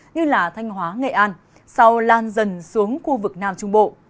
như thanh hóa nghệ an sau lan dần xuống khu vực nam trung bộ